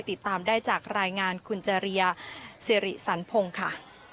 ติดตามได้จากรายงานคุณเจรียาซีริสราร์นพงค่ะ